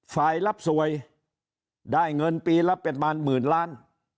รับสวยได้เงินปีละประมาณหมื่นล้าน